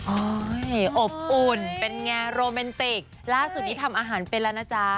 อบอุ่นเป็นไงโรแมนติกล่าสุดนี้ทำอาหารเป็นแล้วนะจ๊ะ